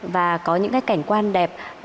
và có những cảnh quan đẹp